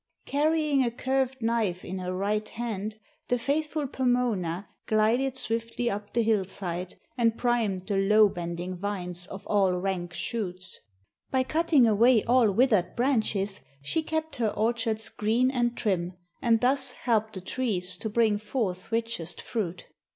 Carrying a curved knife in her right hand, the faithful Pomona glided swiftly up the hillside, and primed the low bending vines of all rank shoots. By cutting away all withered branches, she kept her orchards green and trim, and thus helped the trees to bring forth richest fruit.